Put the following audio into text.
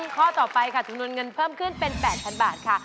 ข้อต่อไปค่ะจำนวนเงินเพิ่มขึ้นเป็น๘๐๐๐บาทค่ะ